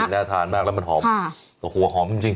น่าทานมากแล้วมันหอมโอ้โหหอมจริง